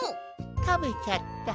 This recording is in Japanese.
たべちゃった。